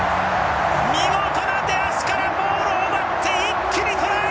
見事な出足からボールを奪って一気にトライ！